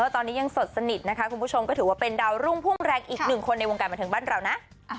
ตอนนี้ยังสดสนิทนะคะคุณผู้ชมก็ถือว่าเป็นดาวรุ่งพุ่งแรงอีกหนึ่งคนในวงการบันเทิงบ้านเรานะ